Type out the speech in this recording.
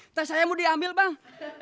entah saya mau diambil bang